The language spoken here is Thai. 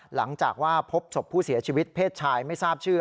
หลังจากว่าพบศพผู้เสียชีวิตเพศชายไม่ทราบชื่อ